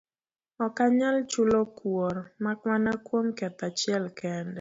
Ok anyal chulo kuor, mak mana kuom ketho achiel kende.